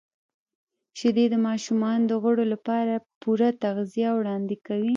•شیدې د ماشومانو د غړو لپاره پوره تغذیه وړاندې کوي.